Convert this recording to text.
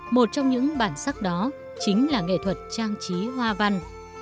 một trong những bản sắc đó chính là nghệ thuật trang trí hoa văn